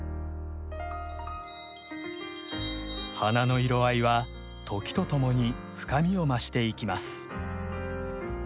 花の色合いは時とともに深みを増していきます。